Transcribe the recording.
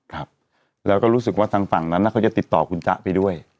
ครับแล้วก็รู้สึกว่าทางฝั่งนั้นเขาจะติดต่อคุณจ๊ะไปด้วย